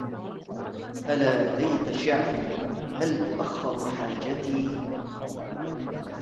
ألا ليت شعري هل تؤخر حاجتي